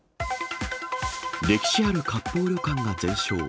歴史ある割烹旅館が全焼。